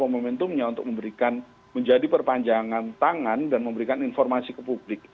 momentumnya untuk memberikan menjadi perpanjangan tangan dan memberikan informasi ke publik